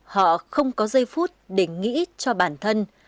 họ không có giây phút để nghĩ cho bản thân